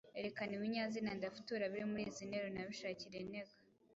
Erekana ibinyazina ndafutura biri muri izi nteruro unabishakire intego